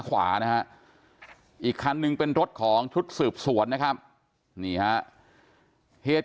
ขวานะฮะอีกคันนึงเป็นรถของชุดสืบสวนนะครับนี่ฮะเหตุ